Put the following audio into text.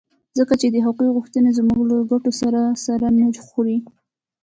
ځکه چې د هغوی غوښتنې زموږ له ګټو سره سر نه خوري.